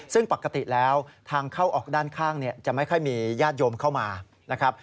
ซึ่งปกติแล้วทางเข้าออกด้านข้างจะไม่ค่อยมีญาติโยมเข้ามานะครับ